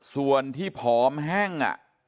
ส่วนที่ผอมแห้ง